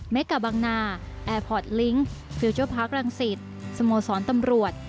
แกบังนาแอร์พอร์ตลิงค์ฟิวเจอร์พาร์ครังสิตสโมสรตำรวจ